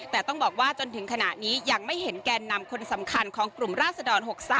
แต่ต้องบอกว่าจนถึงขณะนี้ยังไม่เห็นแกนนำคนสำคัญของกลุ่มราศดร๖๓